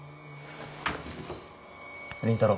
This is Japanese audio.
倫太郎。